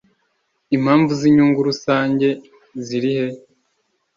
impamvu z inyungu rusange zirihe